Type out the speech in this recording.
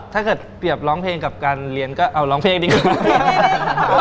ถ้าเกิดเปรียบร้องเพลงกับการเรียนก็เอาร้องเพลงดีกว่า